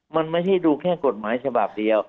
มันไม่ใช่ดูแค่กฎหมายฉบับเดียว